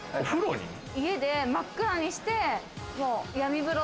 家で真っ暗にして闇風呂。